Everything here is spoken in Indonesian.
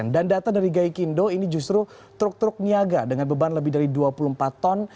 dan data dari gaikindo ini justru truk truk niaga dengan beban lebih dari dua puluh empat ton